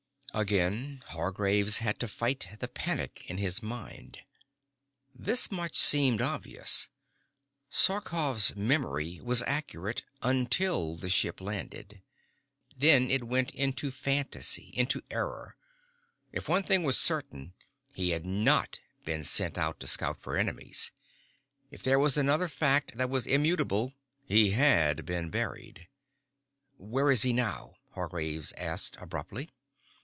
Again Hargraves had to fight the panic in his mind. This much seemed obvious. Sarkoff's memory was accurate until the ship landed. Then it went into fantasy, into error. If one thing was certain, he had not been sent out to scout for enemies. If there was another fact that was immutable, he had been buried. "Where is he now?" Hargraves asked abruptly.